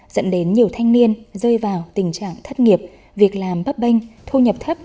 dẫn đến nhiều thanh niên rơi vào tình trạng thất nghiệp việc làm bắp bênh thu nhập thấp